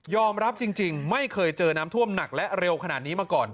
รับจริงไม่เคยเจอน้ำท่วมหนักและเร็วขนาดนี้มาก่อน